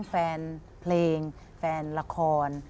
แฟนเพลงแฟนละคร